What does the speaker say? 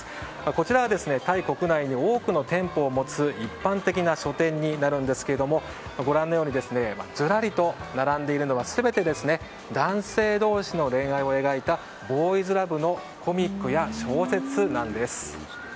こちらはタイ国内に多くの店舗を持つ一般的な書店なんですがご覧のようにずらりと並んでいるのは全て男性同士の恋愛を描いたボイーズラブのコミックや小説なんです。